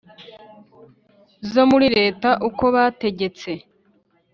Zo muri Leta uko bategetse